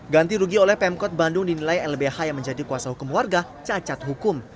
ganti rugi oleh pemkot bandung dinilai lbh yang menjadi kuasa hukum warga cacat hukum